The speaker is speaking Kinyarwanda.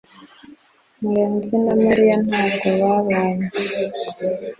murenzi na Mariya ntabwo babanye